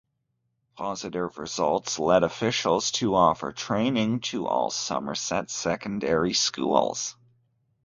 Positive results led officials to offer training to all Somerset secondary schools.